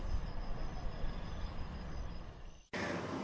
quang đã chạy ra bằng đường đi